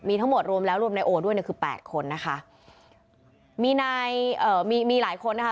มีทั้งหมดรวมแล้วรวมนายโอด้วยเนี่ยคือแปดคนนะคะมีนายเอ่อมีมีหลายคนนะคะ